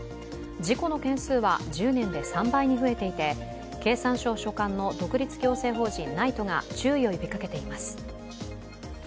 事故の件数は１０年で３倍に増えていて経産省所管の独立行政法人ＮＩＴＥが注意を呼びかけています。